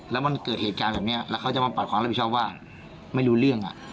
แล้วมันเกิดเหตุการณ์แบบนี้แล้วเขาจะมาปรับความรับผิดชอบว่าไม่รู้เรื่อง